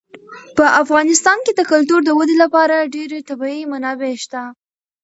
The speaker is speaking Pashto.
په افغانستان کې د کلتور د ودې لپاره ډېرې طبیعي منابع شته دي.